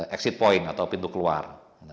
exit point atau pintu keluar